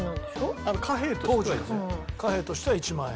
貨幣としては１万円。